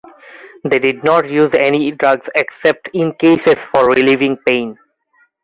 They did not use any drugs except in cases for relieving pain.